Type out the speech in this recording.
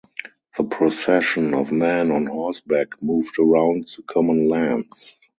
The procession of men on horseback moved around the common lands.